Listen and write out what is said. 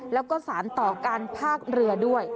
แล้วก็สารต่อการพากเรือด้วย